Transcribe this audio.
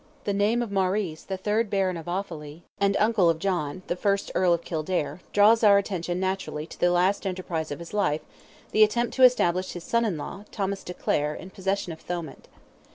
The name of Maurice, the third Baron of Offally, and uncle of John, the first Earl of Kildare, draws our attention naturally to the last enterprise of his life—the attempt to establish his son in law, Thomas de Clare, in possession of Thomond.